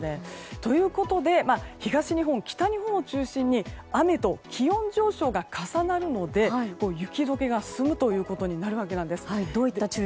ということで東日本、北日本を中心に雨と気温上昇が重なるので雪解けが進むことになるわけです。